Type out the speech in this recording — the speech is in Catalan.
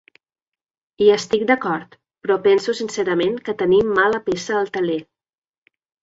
Hi estic d’acord, però penso sincerament que tenim mala peça al teler.